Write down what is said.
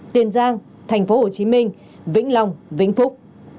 tiên giang tp hcm vĩnh long vĩnh phúc